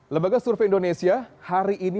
lembaga survei indonesia hari ini